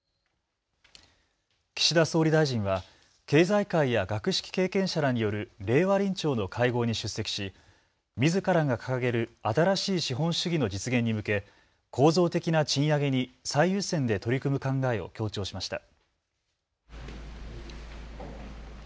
岸田総理大臣は経済界や学識経験者らによる令和臨調の会合に出席し、みずからが掲げる新しい資本主義の実現に向け構造的な賃上げに最優先で取り組む考えを強調しました。